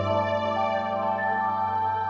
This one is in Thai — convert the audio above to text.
โปรดติดตามตอนต่อไป